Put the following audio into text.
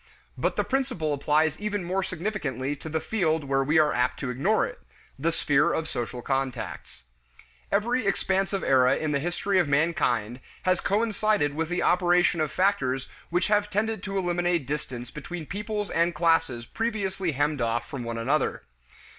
But the principle applies even more significantly to the field where we are apt to ignore it the sphere of social contacts. Every expansive era in the history of mankind has coincided with the operation of factors which have tended to eliminate distance between peoples and classes previously hemmed off from one another.